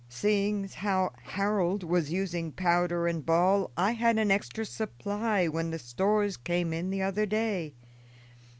Seeing how Harold was using powder and ball, I had an extra supply when the stores came in the other day.